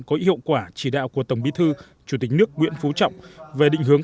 có hiệu quả chỉ đạo của tổng bí thư chủ tịch nước nguyễn phú trọng về định hướng